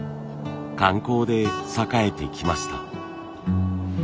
観光で栄えてきました。